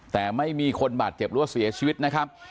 แต่ไม่มีคนบาดเจ็บหรือว่าเสียชีวิตนะครับ